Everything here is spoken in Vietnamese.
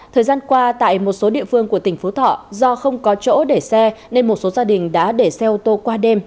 thời gian qua tại một số địa phương của tỉnh phú thọ do không có chỗ để xe nên một số gia đình đã để xe ô tô qua đêm